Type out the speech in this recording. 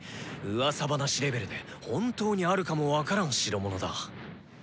うわさ話レベルで本当にあるかも分からん代物だ。